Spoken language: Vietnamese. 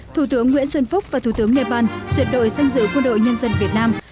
thủ tướng nguyễn xuân phúc và thủ tướng nepal xuyệt đội sân dự quân đội nhân dân việt nam